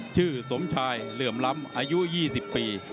สมชายเหลื่อมล้ำอายุ๒๐ปี